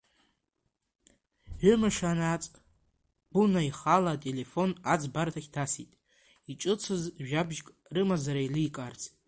Ҩымш анааҵ, Гана ихала ателефон аӡбарҭахь дасит, иҿыцыз жәабжьк рымазар еиликаарц.